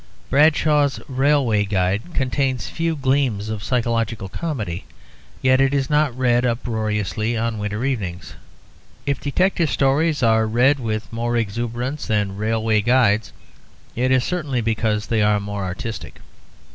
Bradshaw's Railway Guide contains few gleams of psychological comedy, yet it is not read aloud uproariously on winter evenings. If detective stories are read with more exuberance than railway guides, it is certainly because they are more artistic.